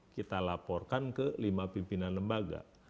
kita laporkan ke lima pimpinan lembaga